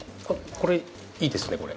これイイですねこれ。